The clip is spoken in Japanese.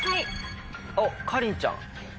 あっかりんちゃん。